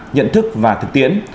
nhận thức và thực tiến